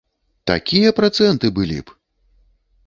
Такія працэнты былі б!